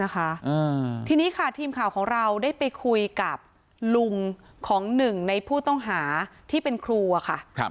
ทีนี้ค่ะทีมข่าวของเราได้ไปคุยกับลุงของหนึ่งในผู้ต้องหาที่เป็นครูอะค่ะ